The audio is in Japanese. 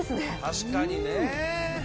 確かにね。